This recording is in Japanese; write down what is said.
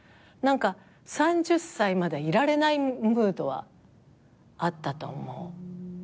何か３０歳までいられないムードはあったと思う。